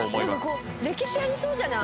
歴史ありそうじゃない？